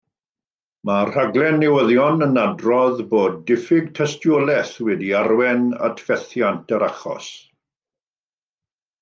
Mae rhaglen newyddion yn adrodd bod diffyg tystiolaeth wedi arwain at fethiant yr achos.